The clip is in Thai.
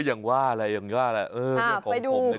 ยังว่าอะไรยังว่าอะไร